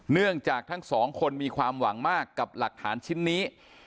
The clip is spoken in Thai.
เนื่องจากทั้งสองคนมีความหวังมากกับหลักฐานชิ้นนี้